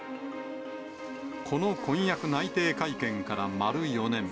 この婚約内定会見から丸４年。